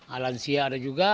alansia ada juga